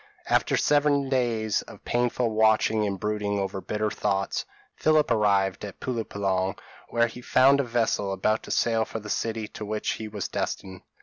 p> After seven days of painful watching and brooding over bitter thoughts, Philip arrived at Pulo Penang, where he found a vessel about to sail for the city to which he was destined.